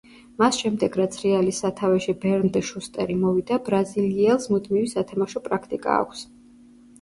მას შემდეგ რაც რეალის სათავეში ბერნდ შუსტერი მოვიდა, ბრაზილიელს მუდმივი სათამაშო პრაქტიკა აქვს.